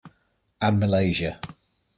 And Malaysia.